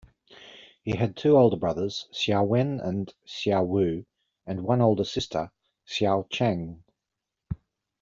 He had two older brothers, Hsiao-wen and Hsiao-wu, and one older sister, Hsiao-chang.